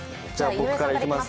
僕からいきます。